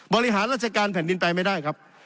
บริหารราชการแผ่นดินไปไม่ได้ครับ